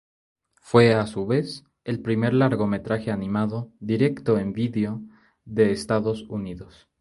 Fue a su vez, el primer largometraje animado directo-en vídeo de Estados Unidos.